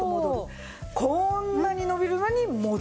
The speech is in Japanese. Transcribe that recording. こんなに伸びるのに戻る。